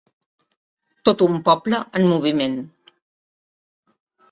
Tot un poble en moviment.